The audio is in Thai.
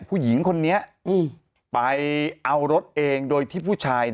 ผู้หญิงคนนี้ไปเอารถเองโดยที่ผู้ชาย